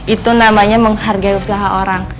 itu namanya menghargai usaha orang